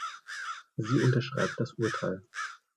Sie unterschreibt das Urteil.